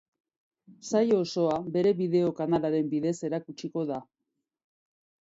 Saio osoa bere bideo kanalaren bidez erakutsiko da.